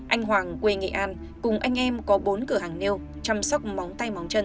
anh hoàng quê nghệ an cùng anh em có bốn cửa hàng nêu chăm sóc móng tay móng chân